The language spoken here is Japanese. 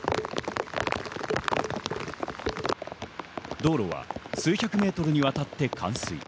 道路は数百ｍにわたって冠水。